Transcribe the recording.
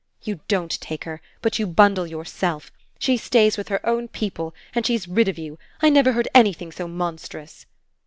"You don't take her, but you bundle yourself: she stays with her own people and she's rid of you! I never heard anything so monstrous!"